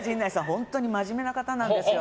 本当に真面目な方なんですよ。